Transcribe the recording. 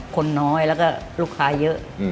คนน้อยแล้วก็ลูกค้าเยอะ